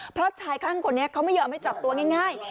เพราะชายคลั่งคนนี้เขาไม่ยอมให้จับตัวง่าย